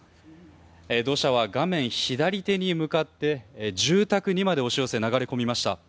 土砂は画面左手に向かって住宅にまで押し寄せ流れ込みました。